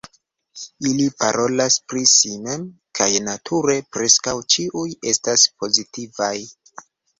Ili parolas pri si mem, kaj nature preskaŭ ĉiuj estas pozitivaj.